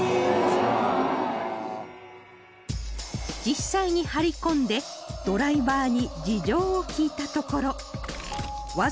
実際に張り込んでドライバーに事情を聞いたところ